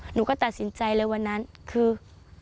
หนูก็ตัดสินใจเลยวันนั้นคือ